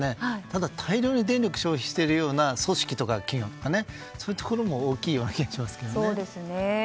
ただ、大量に電力を消費しているような組織や企業そういうところも大きいような気がしますけどね。